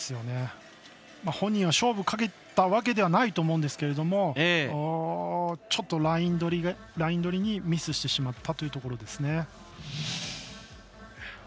本人は勝負をかけたわけじゃないと思うんですがちょっとライン取りにミスしてしまったというところですね。